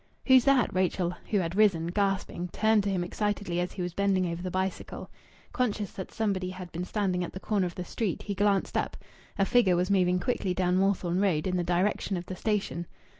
"Who's that?" Rachel, who had risen, gasping, turned to him excitedly as he was bending over the bicycle. Conscious that somebody had been standing at the corner of the street, he glanced up. A figure was moving quickly down Moorthorne Road in the direction of the station.